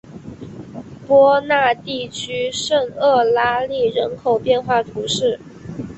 波讷地区圣厄拉利人口变化图示